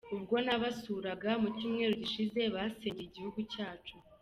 Ubwo nabasuraga mu cyumweru gishize basengeye igihugu cyacu.